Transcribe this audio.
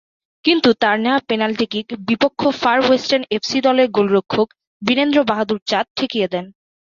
কিন্তু তার নেয়া পেনাল্টি কিক, বিপক্ষ ফার ওয়েস্টার্ন এফসি দলের গোলরক্ষক বীরেন্দ্র বাহাদুর চাঁদ ঠেকিয়ে দেন।